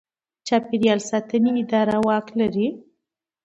د چاپیریال ساتنې اداره واک لري؟